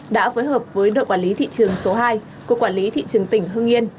đã phối hợp với đội quản lý thị trường số hai của quản lý thị trường tỉnh hương yên